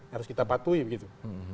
harus kita patuhi begitu